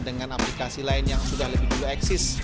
dengan aplikasi lain yang sudah lebih dulu eksis